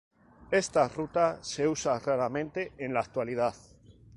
Esta ruta se usa raramente en la actualidad.